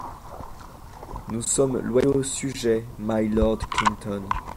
Nous sommes loyaux sujets, My Lord Clinton .